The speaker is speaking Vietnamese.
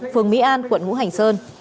phường mỹ an quận ngũ hành sơn